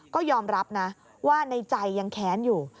ก็ยอมรับนะว่าในใจยังแค้นอยู่